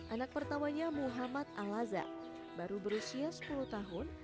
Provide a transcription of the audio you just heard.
anak pertamanya muhammad al azhar baru berusia sepuluh tahun